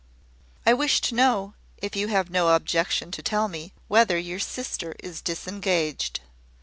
"I wish to know, if you have no objection to tell me, whether your sister is disengaged."